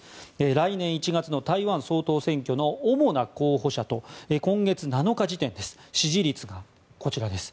来年１月の台湾総統選挙の主な候補者と今月７日時点の支持率がこちらです。